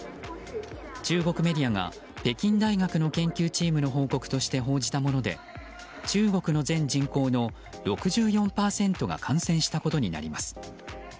中国メディアが北京大学の研究チームの研究結果として報じたもので中国の全人口の６４％が感染したことになります。